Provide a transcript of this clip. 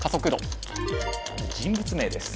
人物名です。